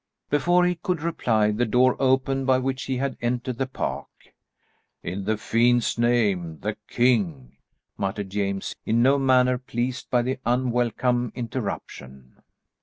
Before he could reply, the door opened by which he had entered the park. "In the fiend's name, the king!" muttered James, in no manner pleased by the unwelcome interruption.